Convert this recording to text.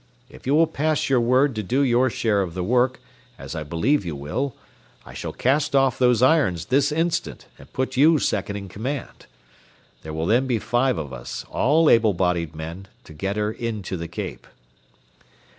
If you will pass your word to do your share of the work, as I believe you will, I shall cast off those irons this instant and put you second in command. There will then be five of us, all able bodied men, to get her in to the Cape."